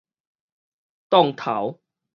擋頭